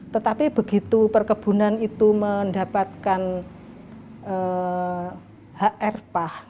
tetapi begitu perkebunan itu mendapatkan hr pah